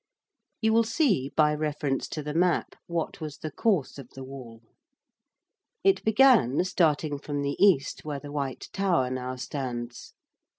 You will see by reference to the map what was the course of the Wall. It began, starting from the east where the White Tower now stands.